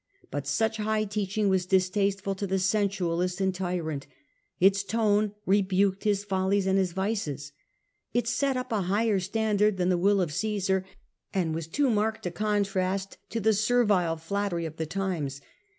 But such high teaching was distasteful to the sensualist and tyrant ; its tone rebuked his follies and his vices. It set up a higher standard than the will of Cccsar, distastefiii to and was too marked a contrast to the servile pnnee, flattery of the times.